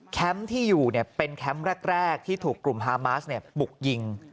ที่อยู่เป็นแคมป์แรกที่ถูกกลุ่มฮามาสบุกยิง